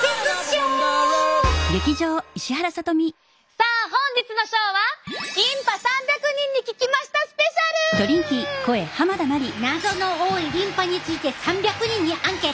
さあ本日のショーは謎の多いリンパについて３００人にアンケート。